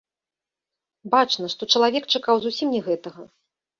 Бачна, што чалавек чакаў зусім не гэтага.